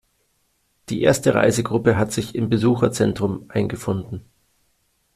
Die erste Reisegruppe hat sich im Besucherzentrum eingefunden.